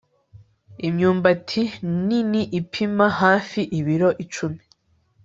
imyumbati nini ipima hafi ibiro icumi